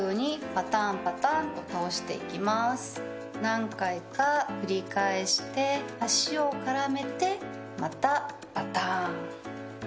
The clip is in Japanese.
何回か繰り返して足を絡めてまたぱたんぱたんと。